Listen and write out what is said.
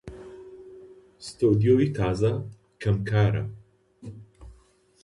ستۆدیۆی تازە کەم کارە